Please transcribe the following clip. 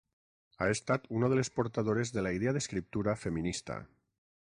Ha estat una de les portadores de la idea d'escriptura feminista.